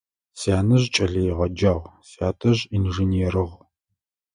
Сянэжъ кӏэлэегъэджагъ, сятэжъ инженерыгъ.